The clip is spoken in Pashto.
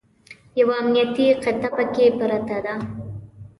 یوه امنیتي قطعه پکې پرته ده.